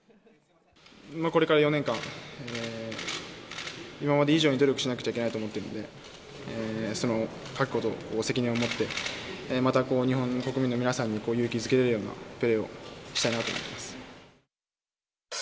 これから４年間、今まで以上に努力しなきゃいけないと思ってるので、その覚悟と責任を持って、また日本国民の皆さんを勇気づけられるようなプレーをしたいなと思ってます。